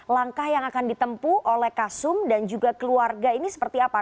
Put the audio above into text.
langkah yang akan ditempu oleh kasum dan juga keluarga ini seperti apa